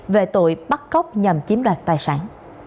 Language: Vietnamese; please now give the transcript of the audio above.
về tội bắt cóc nhằm chiếm đoạt tài sản